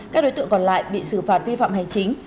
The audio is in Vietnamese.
các đối tượng còn lại bị xử phạt vi phạm hành chính